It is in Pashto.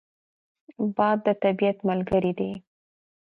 باد د طبیعت ملګری دی